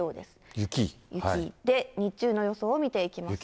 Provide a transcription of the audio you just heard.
で、日中の予想を見ていきますと。